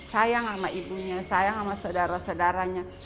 sayang sama ibunya sayang sama saudara saudaranya